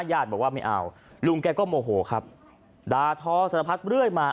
ญาติบอกว่าไม่เอาลุงแกก็โมโหครับดาทอสารพัดเรื่อยมา